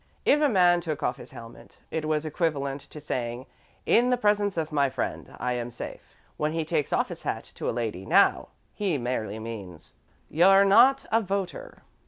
If a man took off his helmet, it was equivalent to saying: 'In the presence of my friend, I am safe.' When he takes off his hat to a lady now, he merely means: 'You're not a voter.'